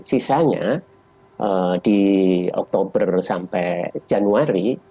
sisanya di oktober sampai januari